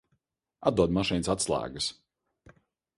Atdod mašīnas atslēgas.